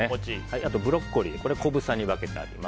あとブロッコリーは小房に分けてあります。